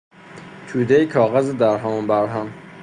تودهای کاغذ درهم و برهم